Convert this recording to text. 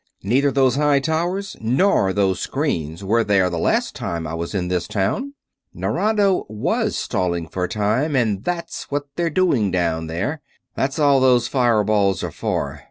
"Neither those high towers nor those screens were there the last time I was in this town. Nerado was stalling for time, and that's what they're doing down there that's all those fire balls are for.